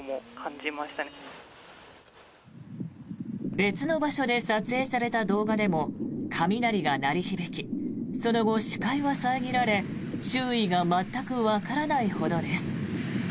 別の場所で撮影された動画でも雷が鳴り響きその後、視界は遮られ周囲が全くわからないほどです。